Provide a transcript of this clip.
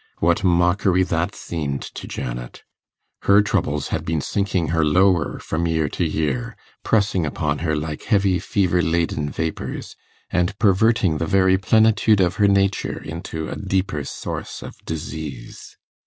What mockery that seemed to Janet! Her troubles had been sinking her lower from year to year, pressing upon her like heavy fever laden vapours, and perverting the very plenitude of her nature into a deeper source of disease.